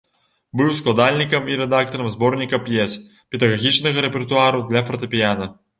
Быў складальнікам і рэдактарам зборніка п'ес педагагічнага рэпертуару для фартэпіяна.